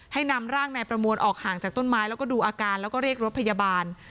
นำร่างนายประมวลออกห่างจากต้นไม้แล้วก็ดูอาการแล้วก็เรียกรถพยาบาล